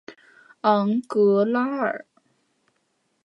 昂格拉尔。